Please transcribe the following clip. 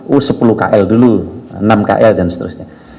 oh sepuluh kl dulu enam kl dan seterusnya